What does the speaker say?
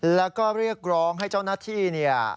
แล้วก็เรียกร้องให้เจ้านักที่